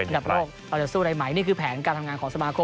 ระดับโลกเราจะสู้ได้ไหมนี่คือแผนการทำงานของสมาคม